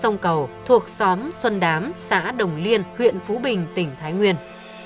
sông cầu thuộc xóm xuân đám xã đồng liên huyện phú bình tỉnh thái nguyên